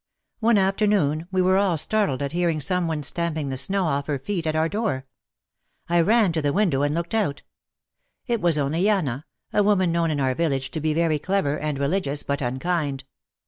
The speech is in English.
One afternoon we were all startled at hearing some one stamping the snow off her feet at our door. I ran to the window and looked out. It was only Yana, a woman known in our village to be very clever and re ligious, but unkind.